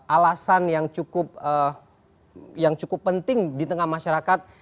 alasan yang cukup penting di tengah masyarakat